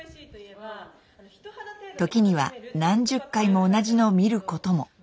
時には何十回も同じのを見ることも。